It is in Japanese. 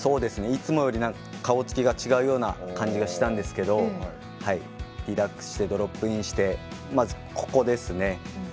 いつもより顔つきが違うような感じがしたんですけれどリラックスしてドロップインしてまずここですね。